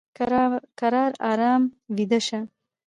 کرار ارام ویده شه !